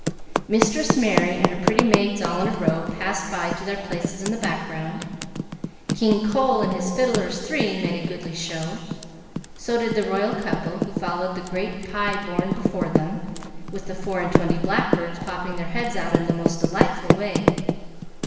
"Mistress Mary," and her "pretty maids all in a row," passed by to their places in the background; "King Cole" and his "fiddlers three" made a goodly show; so did the royal couple, who followed the great pie borne before them, with the "four and twenty blackbirds" popping their heads out in the most delightful way.